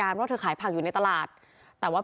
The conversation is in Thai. พี่อุ๋ยพ่อจะบอกว่าพ่อจะรับผิดแทนลูก